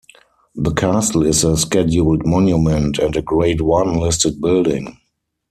The castle is a scheduled monument and a Grade One listed building.